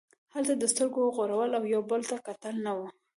هلته د سترګو غړول او یو بل ته کتل نه وو.